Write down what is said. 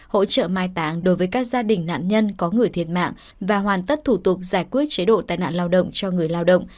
hỗ trợ mai tạng đối với các gia đình nạn nhân có người thiệt mạng và hoàn tất thủ tục giải quyết chế độ tai nạn lao động cho người lao động